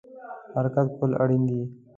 حرکت کول اړین دی